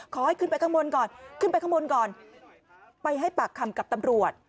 ขอให้ขึ้นไปข้างบนก่อนขึ้นไปข้างบนก่อนไปให้ปากคำกับตำรวจ